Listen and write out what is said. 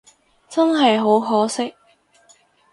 真係好可惜